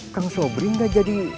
kang sobri gak jadi